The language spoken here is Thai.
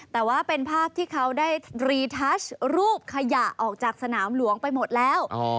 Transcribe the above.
แต่ว่าเป็นภาพที่เขาได้รีทัชรูปขยะออกจากสนามหลวงไปหมดแล้ว